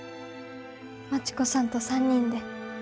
真知子さんと３人で。